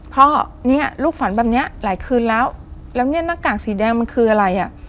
พ่อเนี่ยลูกฝันแบบนี้หลายคืนแล้วแล้วเนี่ยหน้ากากสีแดงมันคืออะไรอ่ะ